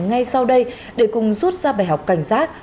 ngay sau đây để cùng rút ra bài học cảnh giác